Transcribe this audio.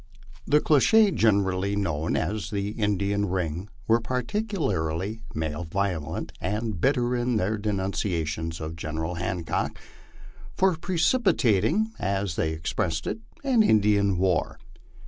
The clique generally known as the * Indian ring" were particularly malevolent and bitter in their denunciations of General Hancock for precipitat ing, as they expressed it, an Indian war.